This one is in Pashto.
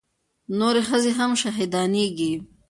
نورې ښځې هم شهيدانېږي.